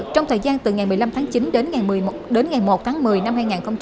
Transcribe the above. trong thời gian từ ngày một mươi năm tháng chín đến ngày một tháng một mươi năm hai nghìn hai mươi